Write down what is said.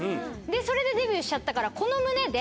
それでデビューしちゃったから。